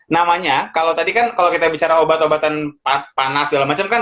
namanya kalau tadi kan kalau kita bicara obat obatan panas segala macam kan